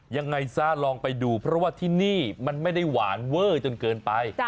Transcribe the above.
ยังไงซะลองไปดูเพราะว่าที่นี่มันไม่ได้หวานเวอร์จนเกินไป